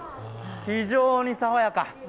非常に爽やか。